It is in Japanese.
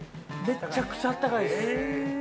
めちゃくちゃ温かいです。